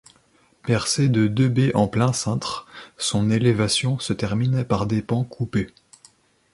Percée de deux baies en plein-cintre, son élévation se termine par des pans coupés.